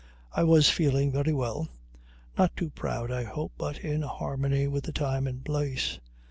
I was feeling very well; not too proud, I hope, but in harmony with the time and place.